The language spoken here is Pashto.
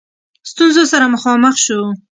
ستونزو سره مخامخ شو.